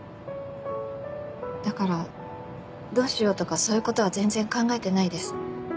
だからどうしようとかそういうことは全然考えてないです。